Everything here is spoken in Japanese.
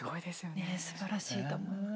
ねえすばらしいと思います。